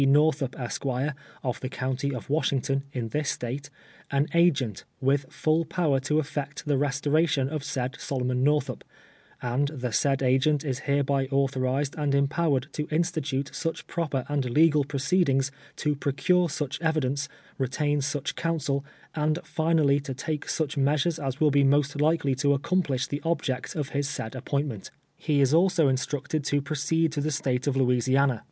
Northup, Esquire, of the county of Washing ton, in this State, an Agent, with full power to effect the resto ration of said Solomon Northup, and the said Agent is hereby authorized and empowered to institute such proper and legal proceedings, to procure s uch evidence, retain such counsel, and finally to take such measiu'cs as will be most likely to accom plish the object of his s;iid appointment. He is also instructed to proceed to the State of Louisiana ArPKXDix.